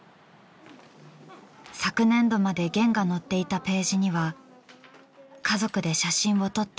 昨年度まで『ゲン』が載っていたページには家族で写真を撮った